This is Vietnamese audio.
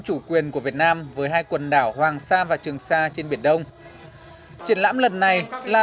chủ quyền của việt nam với hai quần đảo hoàng sa và trường sa trên biển đông triển lãm lần này là